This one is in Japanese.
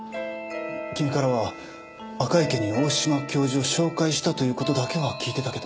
君からは赤池に大島教授を紹介したという事だけは聞いてたけど。